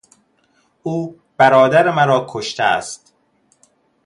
او برادر مرا کشته است.